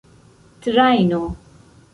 trajno